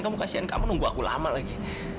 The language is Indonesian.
kamu kasihan kamu nunggu aku lama lagi